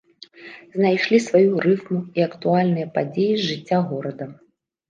Знайшлі сваю рыфму і актуальныя падзеі з жыцця горада.